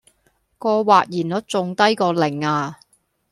個或然率仲低過零呀.